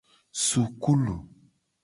Sukulu.